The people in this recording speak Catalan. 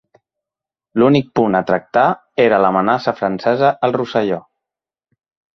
L'únic punt a tractar era l'amenaça francesa al Rosselló.